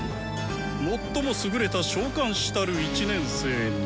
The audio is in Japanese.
最も優れた召喚士たる１年生に。